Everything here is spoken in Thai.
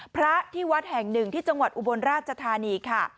พระที่วัดแห่งหนึ่งที่จังหวัดอุบลราชธานีค่ะ